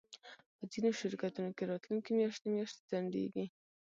په ځینو شرکتونو کې راتلونکی میاشتې میاشتې ځنډیږي